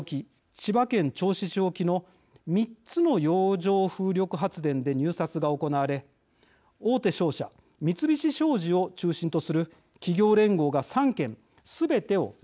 千葉県銚子市沖の３つの洋上風力発電で入札が行われ大手商社三菱商事を中心とする企業連合が３件すべてを落札しました。